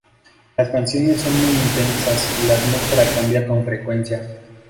Las canciones son muy intensas y la atmósfera cambia con frecuencia.